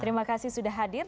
terima kasih sudah hadir